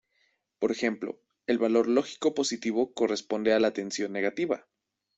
Por ejemplo, el valor lógico positivo corresponde a la tensión negativa.